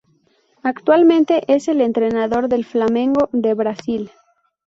Actualmente es el entrenador del Flamengo de Brasil.